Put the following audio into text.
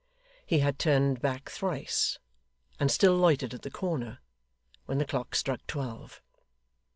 He had turned back thrice, and still loitered at the corner, when the clock struck twelve.